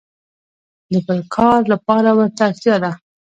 د بل کار لپاره ورته اړتیا ده.